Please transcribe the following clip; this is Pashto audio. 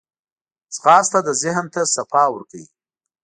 ځغاسته د ذهن ته صفا ورکوي